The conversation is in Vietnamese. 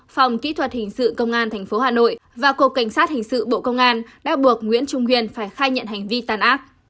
phòng kỹ thuật hình sự công an tp hà nội và cục cảnh sát hình sự bộ công an đã buộc nguyễn trung huyền phải khai nhận hành vi tàn ác